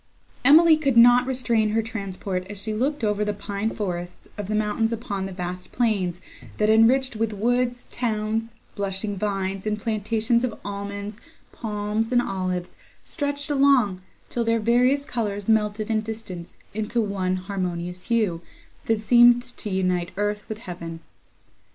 Emily could not restrain her transport as she looked over the pine forests of the mountains upon the vast plains, that, enriched with woods, towns, blushing vines, and plantations of almonds, palms, and olives, stretched along, till their various colours melted in distance into one harmonious hue, that seemed to unite earth with heaven.